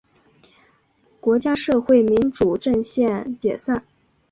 国家社会民主阵线解散。